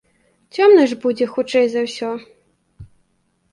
Цёмна ж будзе хутчэй за ўсё.